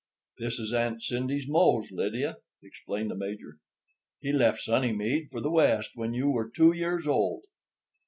"This is Aunt Cindy's Mose, Lydia," explained the Major. "He left Sunnymead for the West when you were two years old."